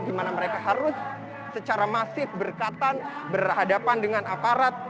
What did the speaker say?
di mana mereka harus secara masif berkatan berhadapan dengan aparat